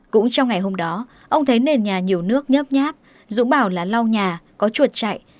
cũng trong ngày hôm đó ông thấy nền nhà nhiều nước nhấp nháp dũng bảo là lau nhà có chuột chạy